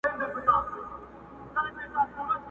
o خواره بازاري، هغه ته، ها دي خواري٫